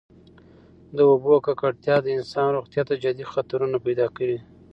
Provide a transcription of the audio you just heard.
د اوبو ککړتیا د انسان روغتیا ته جدي خطرونه پیدا کوي.